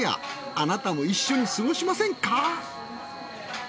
あなたも一緒に過ごしませんか？